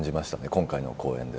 今回の公演で。